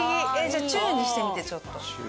じゃあ中にしてみてちょっと。